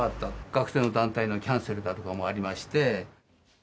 学生の団体のキャンセルだとかもありまして。